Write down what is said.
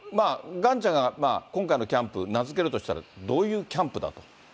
ガンちゃんが今回のキャンプ、名付けるとしたら、どういうキャンプだと？